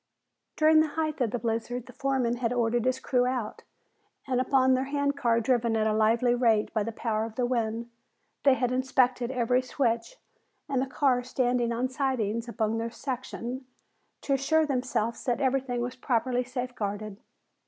During the height of the blizzard the foreman had ordered his crew out and upon their hand car driven at a lively rate by the power of the wind they had inspected every switch and car standing on sidings upon their section, to assure themselves that everything was properly safeguarded.